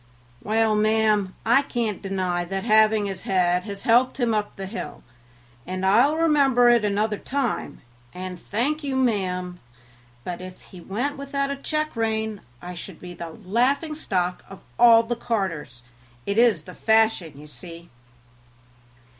"Well, ma'am, I can't deny that having his head has helped him up the hill, and I'll remember it another time, and thank you, ma'am; but if he went without a check rein I should be the laughing stock of all the carters; it is the fashion, you see."